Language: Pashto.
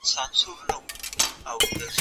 د طبیعي زیرمو استخراج باید په مسلکي ډول وسي.